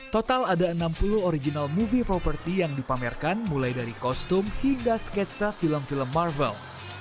total ada enam puluh original movie property yang dipamerkan mulai dari kostum hingga sketsa film film marvel